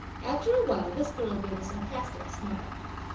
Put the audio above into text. After a while this girl gave a sarcastic smile.